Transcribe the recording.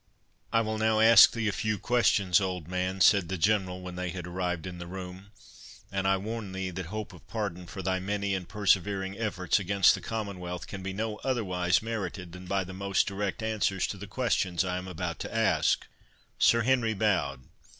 "I will now ask thee a few questions, old man," said the General, when they had arrived in the room; "and I warn thee, that hope of pardon for thy many and persevering efforts against the Commonwealth, can be no otherwise merited than by the most direct answers to the questions I am about to ask." Sir Henry bowed.